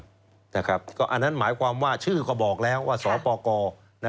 อันนั้นหมายความว่าชื่อก็บอกแล้วว่าสปกร